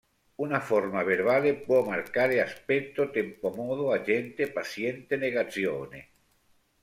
Una forma verbale può marcare aspetto, tempo-modo, agente, paziente, negazione.